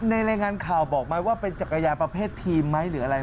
รายงานข่าวบอกไหมว่าเป็นจักรยานประเภททีมไหมหรืออะไร